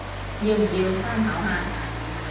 要唔要參考下